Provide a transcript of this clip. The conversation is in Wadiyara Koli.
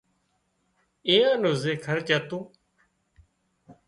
اين نو زي خرچ هتو